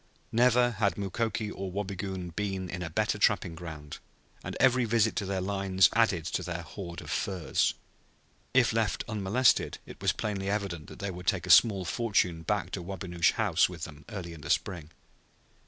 Never had Mukoki or Wabigoon been in a better trapping ground, and every visit to their lines added to their hoard of furs. If left unmolested it was plainly evident that they would take a small fortune back to Wabinosh House with them early in the spring.